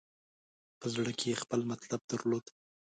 په زړه کې یې خپل مطلب درلود.